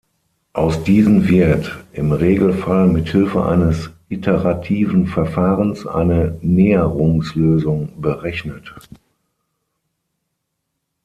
Aus diesen wird, im Regelfall mit Hilfe eines iterativen Verfahrens, eine Näherungslösung berechnet.